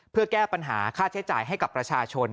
เพื่อแก้ปัญหาค่าใช้จ่ายให้กับประชาชน